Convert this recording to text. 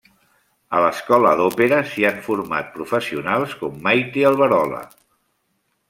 A l'Escola d'Òpera s'hi han format professionals com Maite Alberola.